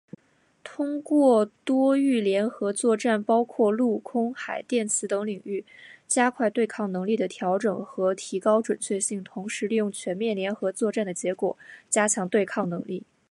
通过多域联合作战，包括陆、空、海、电磁等领域，加快对抗能力的调整和提高准确性，同时利用全面联合作战的结果，加强对抗能力。